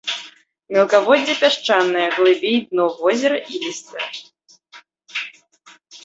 Мелкаводдзе пясчанае, глыбей дно возера ілістае.